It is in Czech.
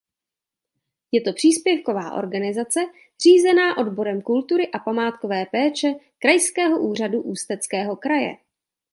Je to příspěvková organizace řízená odborem kultury a památkové péče Krajského úřadu Ústeckého kraje.